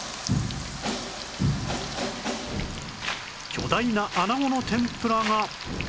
巨大な穴子の天ぷらが